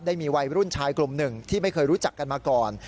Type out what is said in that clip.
ได้มีวัยรุ่นชายกลุ่มหนึ่งที่ไม่เคยรู้จักกันมาก่อน